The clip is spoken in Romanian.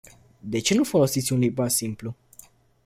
De ce nu folosiți un limbaj simplu?